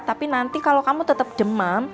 tapi nanti kalau kamu tetap demam